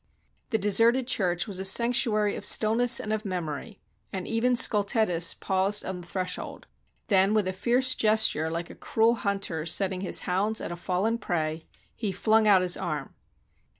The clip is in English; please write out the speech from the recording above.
The deserted church was a sanctuary of stillness and of memory, and even Scultetus paused on the threshold. Then, with a fierce gesture, like a cruel hunter setting his hounds at a fallen prey, he flung out his arm.